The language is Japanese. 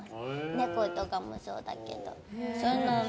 猫とかもそうだけど。